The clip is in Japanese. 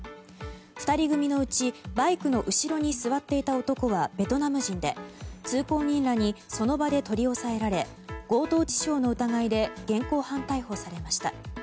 ２人組のうちバイクの後ろに座っていた男はベトナム人で、通行人らにその場で取り押さえられ強盗致傷の疑いで現行犯逮捕されました。